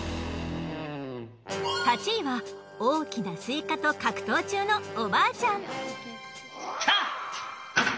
８位は大きなスイカと格闘中のおばあちゃん。